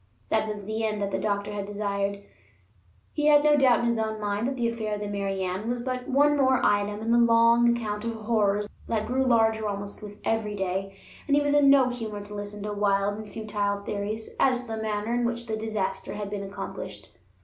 That was the end that the doctor had desired. He had no doubt in his own mind that the affair of the Mary Ann was but one more item in the long account of horrors that grew larger almost with every day; and he was in no humor to listen to wild and futile theories as to the manner in which the disaster had been accomplished.